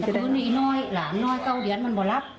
แต่คุณนี่น้อยหลานน้อยเก้าเดียนมันบ่รับ